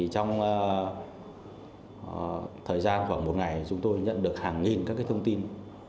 trong thời gian khoảng một ngày chúng tôi nhận được hàng nghìn các thông tin